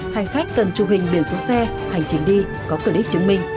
hành khách cần chụp hình biển số xe hành trình đi có clip chứng minh